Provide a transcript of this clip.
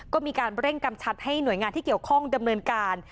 ก็มีการเร่งกำชับให้หน่วยงานที่เกี่ยวข้องดำเนินการ